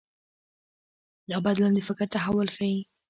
دا بدلون د فکر تحول ښيي.